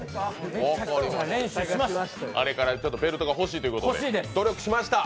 あれからベルトが欲しいということで努力しました。